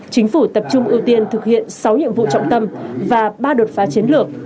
chính phủ tập trung ưu tiên thực hiện sáu nhiệm vụ trọng tâm và ba đột phá chiến lược